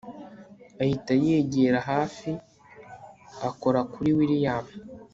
ahita yegera hafi akora kuri william